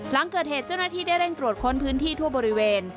หลังเกิดเหตุเจ้าหน้าที่ได้เร่งตรวจค้นพื้นที่ทั่วบริเวณ